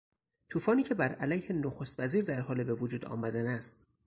توفانی که برعلیه نخستوزیر در حال به وجود آمدن است.